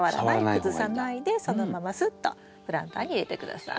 崩さないでそのまますっとプランターに入れて下さい。